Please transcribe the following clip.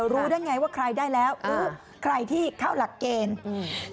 รู้ได้ไงว่าใครได้แล้วหรือใครที่เข้าหลักเกณฑ์อืม